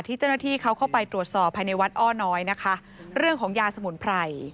เจ้าหน้าที่เขาเข้าไปตรวจสอบภายในวัดอ้อน้อยนะคะเรื่องของยาสมุนไพร